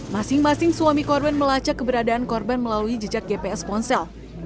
masing masing suami korban melacak keberadaan korban melalui jejak gps ponsel